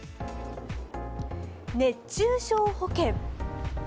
熱中症保険。